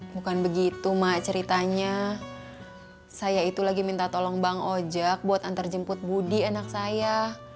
bukan begitu mak ceritanya saya itu lagi minta tolong bang ojek buat antarjemput budi anak saya